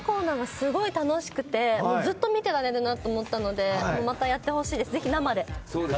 すごく楽しくてずっと見ていられるなと思ったのでまたやってほしいです。